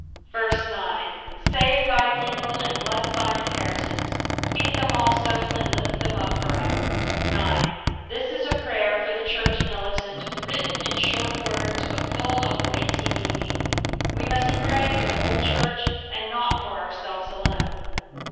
9 Save thy people, and bless thine inheritance : feed them also, and lift them up for ever. 0. This is a prayer tor the chnrch militant, written in short words, but full of weighty meaning. We must pray for the whole church, and not for ourselves alone.